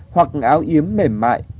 hoặc áo yếm mềm mại